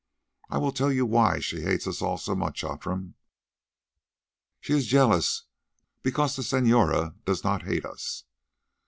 I will tell you why she hates us all so much, Outram. She is jealous, because the senora—does not hate us.